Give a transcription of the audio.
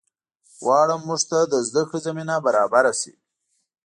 غواړم مونږ ته د زده کړې زمینه برابره شي